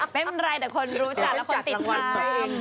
ไม่เป็นไรแต่คนรู้จักแล้วคนติดใจ